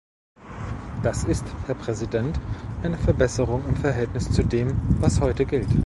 Das ist, Herr Präsident, eine Verbesserung im Verhältnis zu dem, was heute gilt.